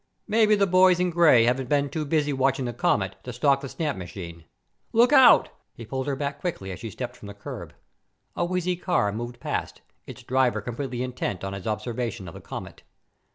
"Maybe the boys in gray haven't been too busy watching the comet to stock the stamp machine. Look out!" He pulled her back quickly as she stepped from the curb. A wheezy car moved past, its driver completely intent on his observation of the comet.